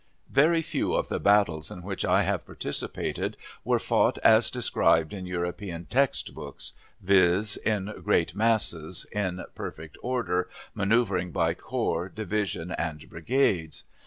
Very few of the battles in which I have participated were fought as described in European text books, viz., in great masses, in perfect order, manoeuvring by corps, divisions, and brigades.